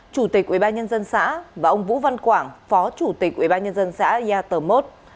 chủ tịch ubnd xã và ông vũ văn quảng phó chủ tịch ubnd xã yà tờ mốt